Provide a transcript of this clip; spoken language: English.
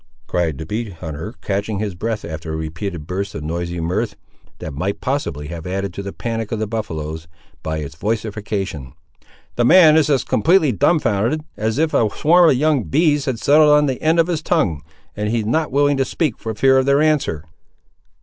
cried the bee hunter, catching his breath after a repeated burst of noisy mirth, that might possibly have added to the panic of the buffaloes by its vociferation. "The man is as completely dumb founded, as if a swarm of young bees had settled on the end of his tongue, and he not willing to speak, for fear of their answer."